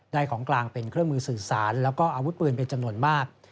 ของกลางเป็นเครื่องมือสื่อสารแล้วก็อาวุธปืนเป็นจำนวนมาก